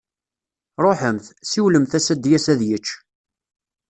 Ṛuḥemt, siwlemt-as ad d-yas ad yečč.